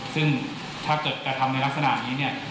ซึ่งถ้าเกิดกระทำในลักษณะนี้เนี่ย